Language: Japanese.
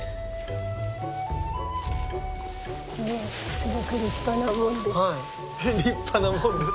すごく立派な門です。